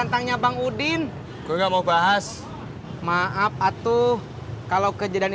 nah solamente mal pake arus udin